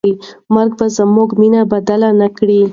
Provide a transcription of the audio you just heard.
مرګ به زموږ مینه بدله نه کړي.